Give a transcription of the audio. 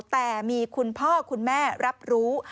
แต่มีคุณพ่อคุณแม่รับรู้